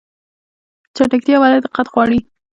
چټکتیا ولې دقت غواړي؟